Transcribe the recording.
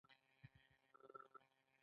دا د قدرت او شتمنۍ د انحصار لامل کیږي.